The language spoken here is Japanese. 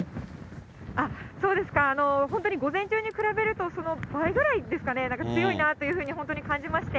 そうですか、本当に午前中に比べると、その倍ぐらいですかね、なんか強いなというふうに、本当に感じまして、